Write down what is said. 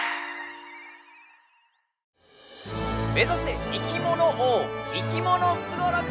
目ざせいきもの王「いきものスゴロク」！